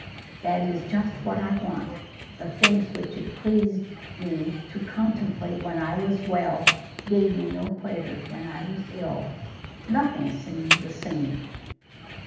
"That is just what I want. The things which it pleased me to contemplate when I was well, gave me no pleasure when I was ill. Nothing seemed the same."